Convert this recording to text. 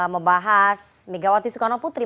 membahas megawati sukarno putri